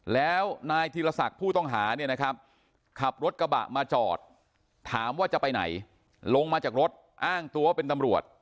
แล้วนายธีรศักดิ์ผู้ต้องหาเนี่ยนะครับขับรถกระบะมาจอดถามว่าจะไปไหนลงมาจากรถอ้างตัวเป็นตำรวจ